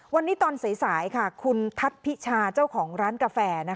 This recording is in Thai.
วันนี้ตอนสายคุณทัศน์พิชาเจ้าของร้านกาแฟ